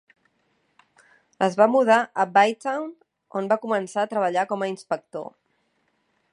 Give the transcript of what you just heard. Es va mudar a Bytown, on va començar a treballar com a inspector.